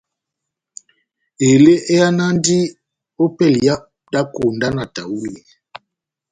Elé ehánandi ópɛlɛ ya iha dá konda na tahuli.